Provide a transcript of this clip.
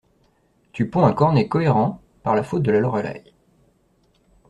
Tu ponds un cornet cohérent par la faute de la Lorelei.